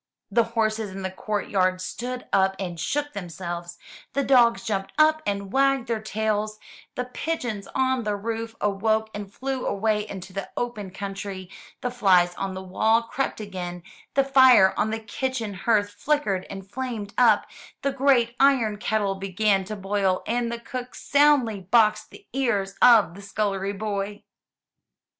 The horses in the courtyard stood up and shook themselves; the dogs jumped up and wagged their tails; the pigeons on the roof awoke and flew away into the open country; the flies on the wall crept again; the fire on the kitchen hearth flickered and flamed up; the great iron kettle began to boil, and the cook soundly boxed the ears of the scullery boy.